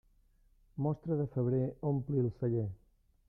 Mostra de febrer ompli el celler.